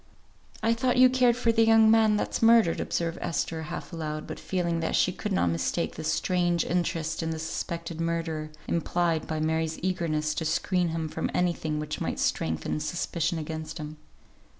"I thought you cared for the young man that's murdered," observed Esther, half aloud; but feeling that she could not mistake this strange interest in the suspected murderer, implied by Mary's eagerness to screen him from any thing which might strengthen suspicion against him.